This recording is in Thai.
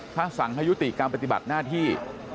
ถ้าสั่งให้ยุติการปฏิบัติหน้าที่